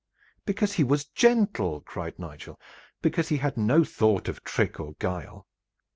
"Because he was gentle," cried Nigel, "because he had no thought of trick or guile."